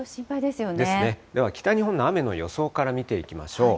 では、北日本の雨の予想から見ていきましょう。